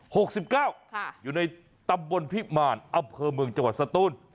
หกสิบเก้าค่ะอยู่ในตำบลพิมารอำเภอเมืองจังหวัดสตูน